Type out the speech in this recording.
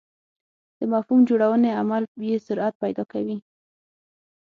د مفهوم جوړونې عمل یې سرعت پیدا کوي.